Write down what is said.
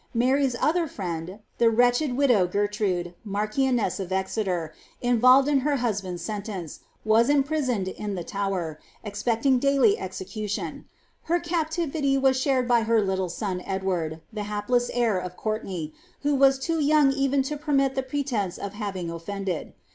Marj'^s other frienc the wretched widow Gertrude, marchioness of Exeter, involved in her husband^s sentence, was imprisoned in the Tower, expecting daily exe cution ; her captivity was shared by her little son Edward,~lhe hapie&> heir of Courtenay, who was too younj even to pennit the pretence ol" havi nor oilended.